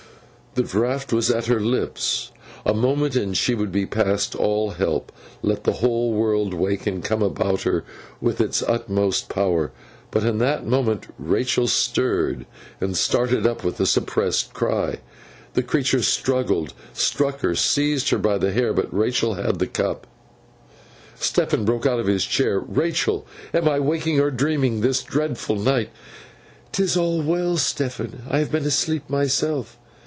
The draught was at her lips. A moment and she would be past all help, let the whole world wake and come about her with its utmost power. But in that moment Rachael started up with a suppressed cry. The creature struggled, struck her, seized her by the hair; but Rachael had the cup. Stephen broke out of his chair. 'Rachael, am I wakin' or dreamin' this dreadfo' night?' ''Tis all well, Stephen. I have been asleep, myself.